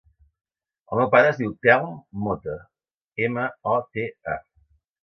El meu pare es diu Telm Mota: ema, o, te, a.